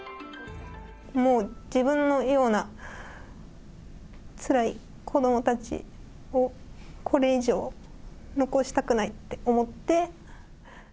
もう、自分のような、つらい子どもたちを、これ以上、残したくないって思って。